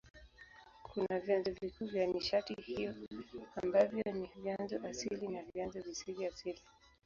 Kuna vyanzo vikuu vya nishati hiyo ambavyo ni vyanzo asili na vyanzo visivyo asili.